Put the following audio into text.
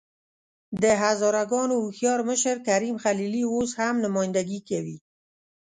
د هزاره ګانو هوښیار مشر کریم خلیلي اوس هم نمايندګي کوي.